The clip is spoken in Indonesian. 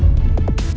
udah lo tenang aja